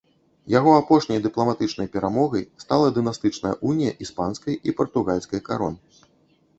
Яго апошняй дыпламатычнай перамогай стала дынастычная унія іспанскай і партугальскай карон.